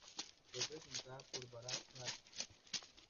Fue presentada por Bharat Shah.